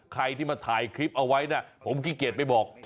ใครที่มาถ่ายคลิปเอาไว้นะผมขี้เกียจไปบอก